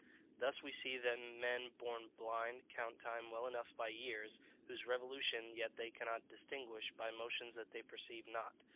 Thus we see that men born blind count time well enough by years, whose revolutions yet they cannot distinguish by motions that they perceive not.